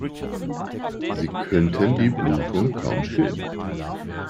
Sie könnten die Blutung kaum stillen.